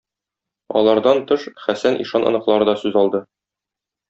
Алардан тыш, Хәсән ишан оныклары да сүз алды.